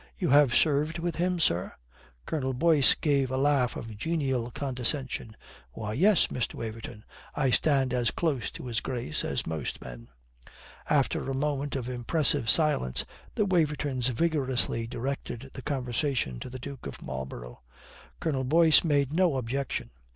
"You have served with him, sir?" Colonel Boyce gave a laugh of genial condescension. "Why, yes, Mr. Waverton, I stand as close to His Grace as most men." After a moment of impressive silence, the Wavertons vigorously directed the conversation to the Duke of Marlborough. Colonel Boyce made no objection.